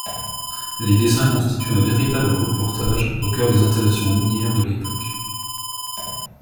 Les dessins constituent un véritable reportage au cœur des installations minières de l'époque.